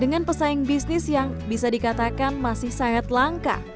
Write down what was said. dengan pesaing bisnis yang bisa dikatakan masih sangat langka